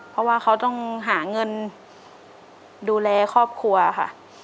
เพราะว่าเขาต้องหาเงินดูแลครอบครัวค่ะ